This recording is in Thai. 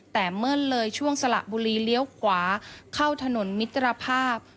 แต่เมื่อเลยช่วงสละบุรีเลี้ยวขวาเข้าถนนมิตรภาพ